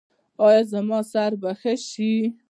ایا زما سر به ښه شي؟